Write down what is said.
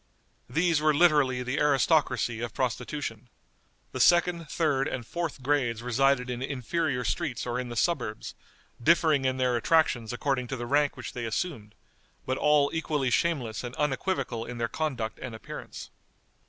These were literally the aristocracy of prostitution. The second, third, and fourth grades resided in inferior streets or in the suburbs, differing in their attractions according to the rank which they assumed, but all equally shameless and unequivocal in their conduct and appearance.